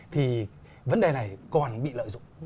thì vấn đề này còn bị lợi